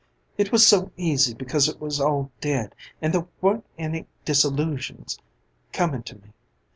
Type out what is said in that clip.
It was so easy because it was all dead and there weren't any disillusions comin' to me.